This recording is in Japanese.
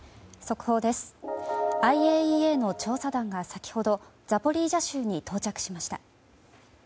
ＩＡＥＡの調査団が先ほどザポリージャ州に到着しました。